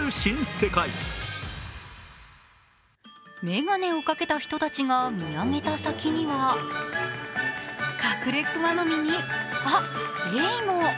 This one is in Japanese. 眼鏡をかけた人たちが見上げた先にはカクレクマノミに、あっ、エイも！